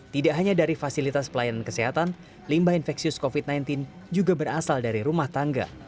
tidak hanya dari fasilitas pelayanan kesehatan limbah infeksius covid sembilan belas juga berasal dari rumah tangga